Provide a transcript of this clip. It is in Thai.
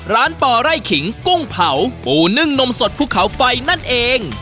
ป่อไร่ขิงกุ้งเผาปูนึ่งนมสดภูเขาไฟนั่นเอง